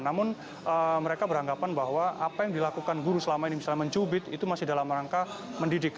namun mereka beranggapan bahwa apa yang dilakukan guru selama ini misalnya mencubit itu masih dalam rangka mendidik